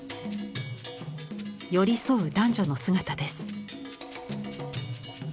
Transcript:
寄り添う男女の姿です。